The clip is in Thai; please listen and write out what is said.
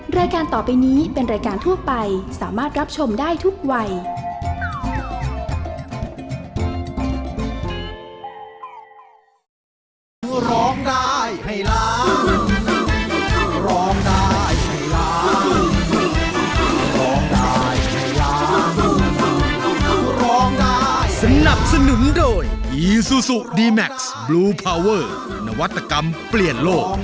รายการต่อไปนี้เป็นรายการทั่วไปสามารถรับชมได้ทุกวัย